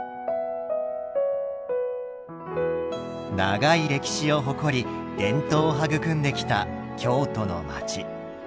長い歴史を誇り伝統を育んできた京都の街。